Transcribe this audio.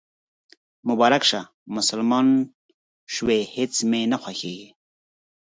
مبارک شه، مسلمان شوېهیڅ مې نه خوښیږي